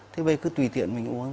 thế bây cứ tùy tiện mình uống